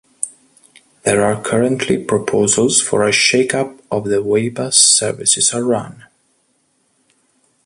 There are currently proposals for a shake-up of the way bus services are run.